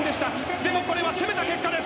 でも、これは攻めた結果です。